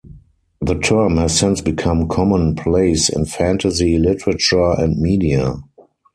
The term has since become common place in fantasy literature and media.